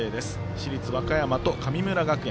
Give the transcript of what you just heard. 市立和歌山と神村学園。